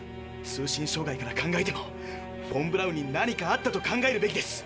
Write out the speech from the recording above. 通信障害から考えてもフォン・ブラウンに何かあったと考えるべきです。